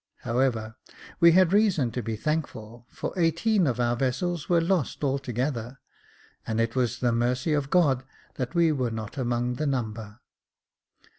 However, we had reason to be thankful, for eighteen of our vessels were lost altogether, and it was the mercy of God that we were not among the number."